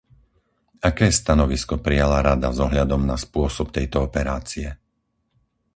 Aké stanovisko prijala Rada s ohľadom na spôsob tejto operácie?